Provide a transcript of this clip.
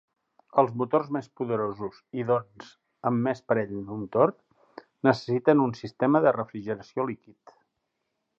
Els motors més poderosos i doncs amb més parell de motor necessiten un sistema de refrigeració líquid.